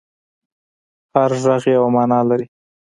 هر غږ یوه معنی لري.